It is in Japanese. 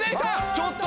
ちょっと！